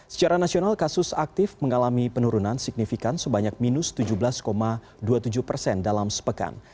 secara nasional kasus aktif mengalami penurunan signifikan sebanyak minus tujuh belas dua puluh tujuh persen dalam sepekan